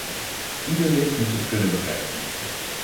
Ieder lid moet het kunnen begrijpen.